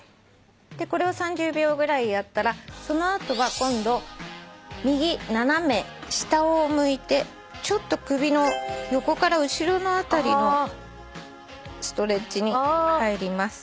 これを３０秒ぐらいやったらその後は今度右斜め下を向いてちょっと首の横から後ろの辺りのストレッチに入ります。